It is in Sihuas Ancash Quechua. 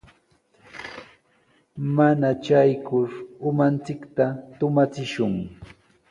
Mana shaykur umanchikta tumachishun.